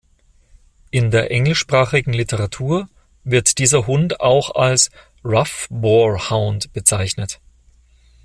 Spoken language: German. In der englischsprachigen Literatur wird dieser Hund auch als „Rough Boar-Hound“ bezeichnet.